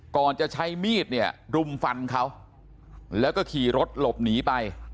ก่อนจะใช้มีดเนี่ยรุมฟันเขาแล้วก็ขี่รถหลบหนีไป